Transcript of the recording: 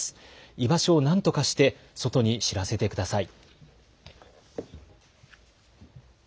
居場所をなんとかして外に知らせてください。